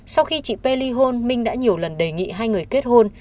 sau khi chị p ly hôn minh đã nhiều lần đề nghị hai người kết hôn